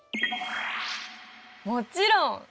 もちろん！